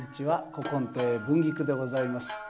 古今亭文菊でございます。